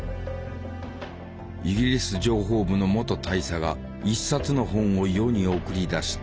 イギリス情報部の元大佐が一冊の本を世に送り出した。